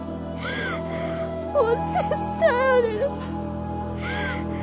もう絶対降りる。